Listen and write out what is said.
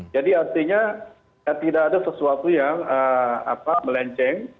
jadi artinya tidak ada sesuatu yang melenceng